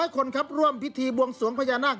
คนครับร่วมพิธีบวงสวงพญานาค